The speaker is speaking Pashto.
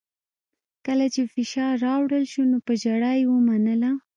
کله چې فشار راوړل شو نو په ژړا یې ومنله